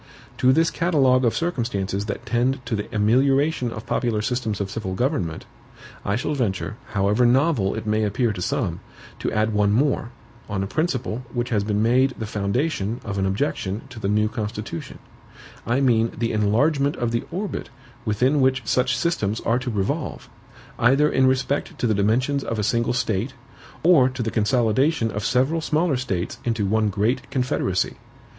To this catalogue of circumstances that tend to the amelioration of popular systems of civil government, I shall venture, however novel it may appear to some, to add one more, on a principle which has been made the foundation of an objection to the new Constitution; I mean the ENLARGEMENT of the ORBIT within which such systems are to revolve, either in respect to the dimensions of a single State or to the consolidation of several smaller States into one great Confederacy.